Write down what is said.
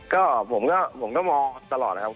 ก็ผมก็มองตลอดนะครับ